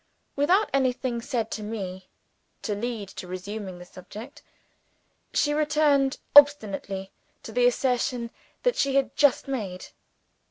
Without anything said by me to lead to resuming the subject, she returned obstinately to the assertion that she had just made.